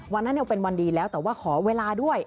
วันนั้นเป็นวันดีแล้วแต่ว่าขอเวลาด้วย